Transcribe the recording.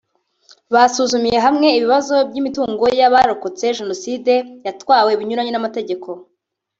Basuzumiye hamwe ibibazo by’imitungo y’abarokotse Jenoside yatwawe binyuranyije n’amategeko